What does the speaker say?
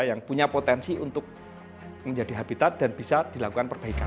yang punya potensi untuk menjadi habitat dan bisa dilakukan perbaikan